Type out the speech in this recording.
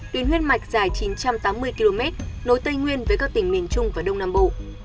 tuyến huyết mạch dài chín trăm tám mươi km nối tây nguyên với các tỉnh miền trung và đông nam bộ